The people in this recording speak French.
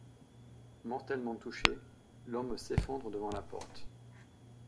Mortellement touché, l'homme s'effondre devant la porte.